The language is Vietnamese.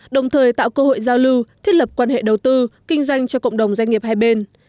đồng thời tạo cơ hội giao lưu thiết lập quan hệ đầu tư kinh doanh cho cộng đồng doanh nghiệp hai bên